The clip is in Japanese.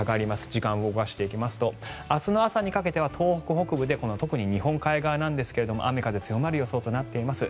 時間を動かしていくと明日の朝にかけては東北北部で特に日本海側なんですが雨、風が強まる予想となっています。